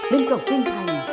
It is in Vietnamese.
mênh cầu thiên thần